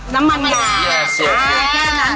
เงินปลอดภัย